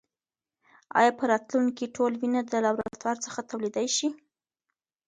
ایا په راتلونکې کې ټول وینه د لابراتوار څخه تولید شي؟